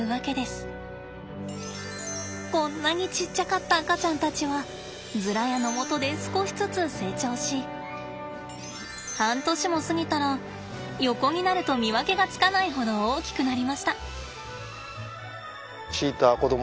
こんなにちっちゃかった赤ちゃんたちはズラヤのもとで少しずつ成長し半年も過ぎたら横になると見分けがつかないほど大きくなりました。